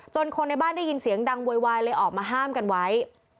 คนในบ้านได้ยินเสียงดังโวยวายเลยออกมาห้ามกันไว้